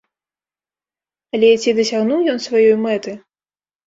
Але ці дасягнуў ён сваёй мэты?